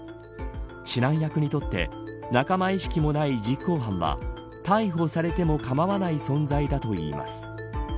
指南役にとって仲間意識もない実行犯は逮捕されても構わない存在だといいます。